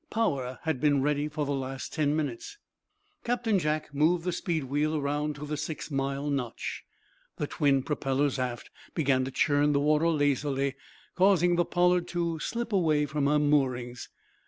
Power had been ready for the last ten minutes. Captain Jack moved the speed wheel around to the six mile notch. The twin propellers aft began to churn the water lazily, causing the "Pollard" to slip away from her moorings.